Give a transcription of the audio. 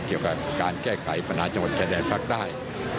เกี่ยวกับการแก้ไขปัญหาจังหวัดชายแดนภาคใต้